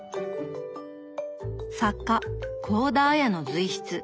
作家幸田文の随筆。